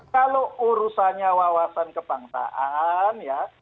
kalau urusannya wawasan kebangsaan ya